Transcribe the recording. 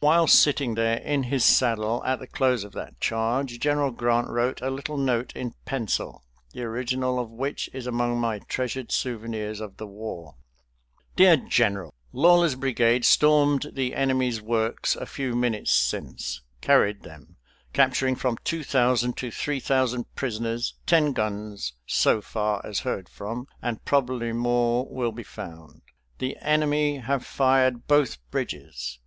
While sitting there in his saddle at the close of that charge, General Grant wrote a little note in pencil, the original of which is among my treasured souvenirs of the war: "DEAR GENERAL: Lawler's brigade stormed the enemy's works a few minutes since; carried them, capturing from two thousand to three thousand prisoners, ten guns, so far as heard from, and probably more will be found. The enemy have fired both bridges.